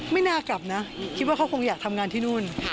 ไม่น่ากลับนะคิดว่าเขาคงอยากทำงานที่นู่น